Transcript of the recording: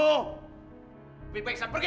lebih baik saya pergi